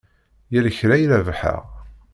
Yell kra i rebḥeɣ?